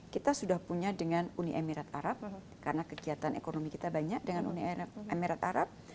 kita sudah punya dengan uni emirat arab karena kegiatan ekonomi kita banyak dengan uni emirat arab